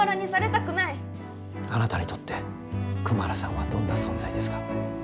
あなたにとってクマラさんはどんな存在ですか？